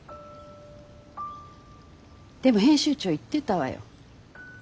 でも編集長言ってたわよ。